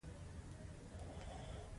په پای کې مات شوی پفاندر له هندوستانه ووت.